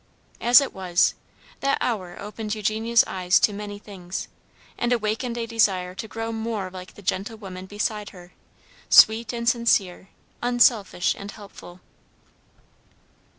As it was, that hour opened Eugenia's eyes to many things, and awakened a desire to grow more like the gentle woman beside her, sweet and sincere, unselfish and helpful.